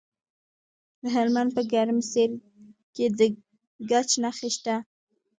د هلمند په ګرمسیر کې د ګچ نښې شته.